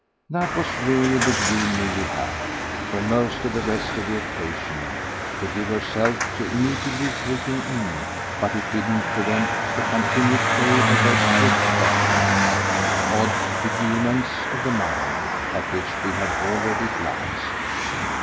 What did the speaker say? That was really the view Milly had, for most of the rest of the occasion, to give herself to immediately taking in; but it didn't prevent the continued play of those swift cross lights, odd beguilements of the mind, at which we have already glanced.